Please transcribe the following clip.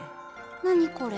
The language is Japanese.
何これ？